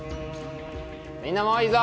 みんなもういいぞ！